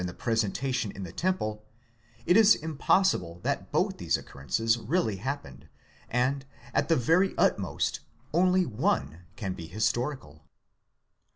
the presentation in the temple; it is impossible that both these occurrences really happened, and, at the very utmost, only one can be historical.